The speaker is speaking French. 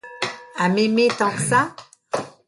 à m’aimer tant que ça ?